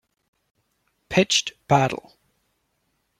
Pitched battle